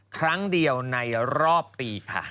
ครั้งเดียวในรอบปีค่ะ